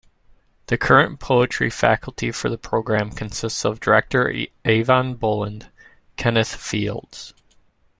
The current poetry faculty for the program consists of director Eavan Boland, Kenneth Fields.